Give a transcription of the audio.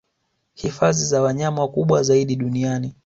Hifadhi za wanyama kubwa zaidi duniani